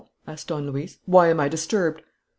asked Don Luis. "Why am I disturbed?"